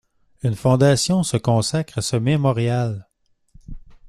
Une fondation se consacre à ce mémorial.